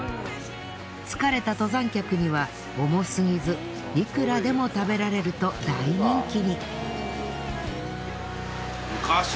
疲れた登山客には重すぎずいくらでも食べられると大人気に。